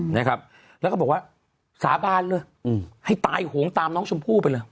นะครับแล้วก็บอกว่าสาบานเลยอืมให้ตายโหงตามน้องชมพู่ไปเลย